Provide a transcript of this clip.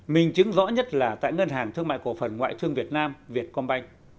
mình chứng rõ nhất là tại ngân hàng thương mại cổ phần ngoại thương việt nam việt công banh